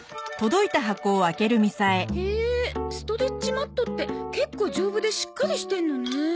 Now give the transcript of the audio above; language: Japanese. へえストレッチマットって結構丈夫でしっかりしてるのね。